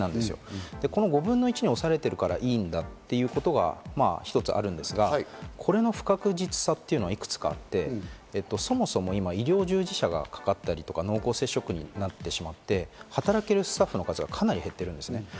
この５分の１に収めているからいいんだということが一つあるんですが、この不確実さがいくつかあって、そもそも今、医療従事者がかかったり、濃厚接触になったりしてしまって、働けるスタッフの数がかなり減っているんですね。